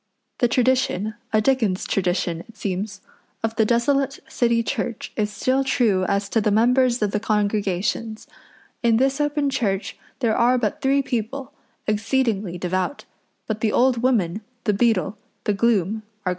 The tradition a Dickens tradition, it seems of the desolate City church is still true as to the numbers of the congregations: in this open church there are but three people, exceedingly devout; but the old woman, the beadle, the gloom are gone.